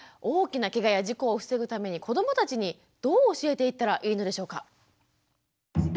大きなケガや事故を防ぐために子どもたちにどう教えていったらいいのでしょうか。